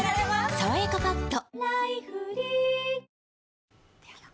「さわやかパッド」